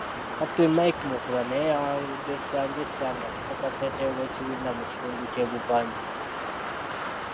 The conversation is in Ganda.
Captain Mike Mukula naye yawangudde Sanjay Tana okufuuka ssentebe w’ekibiina mu kitundu ky’e Buvanjuba.